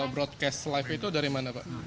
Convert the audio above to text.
broadcast life itu dari mana pak